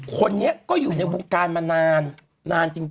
คนนี้ก็อยู่ในวงการมานานจริง